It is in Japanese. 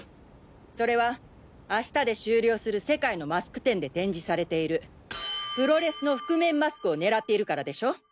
それは明日で終了する世界のマスク展で展示されているプロレスの覆面マスクを狙っているからでしょ？